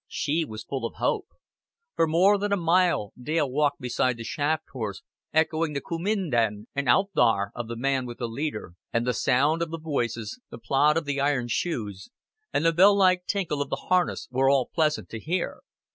She was full of hope. For more than a mile Dale walked beside the shaft horse, echoing the "Coom in then" and "Oot thar" of the man with the leader, and the sound of the voices, the plod of the iron shoes, and the bell like tinkle of the harness were all pleasant to hear.